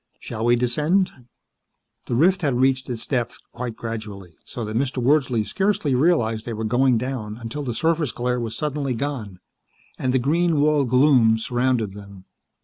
Shall we descend?" The rift had reached its depth quite gradually, so that Mr. Wordsley scarcely realized that they were going down until the surface glare was suddenly gone, and the green walled gloom surrounded them.